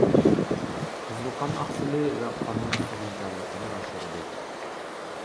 قىزىل قان ئاقسىلى ۋە قاننىڭ سىغىمچانلىقىنى ئاشۇرىدۇ.